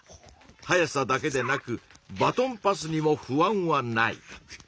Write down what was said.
速さだけでなくバトンパスにも不安はない。